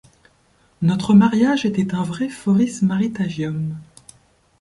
Notre mariage était un vrai forismaritagium.